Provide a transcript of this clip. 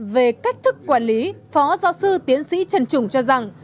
về cách thức quản lý phó giáo sư tiến sĩ trần trùng cho rằng